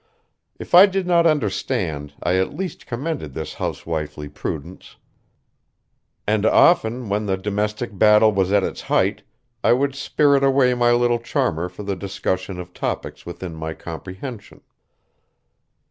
If I did not understand I at least commended this housewifely prudence, and often when the domestic battle was at its height I would spirit away my little charmer for the discussion of topics within my comprehension.